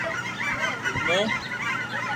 ھون گومو